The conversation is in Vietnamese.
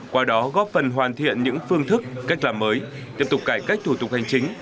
qua đó góp phần hoàn thiện những phương thức cách làm mới tiếp tục cải cách thủ tục hành chính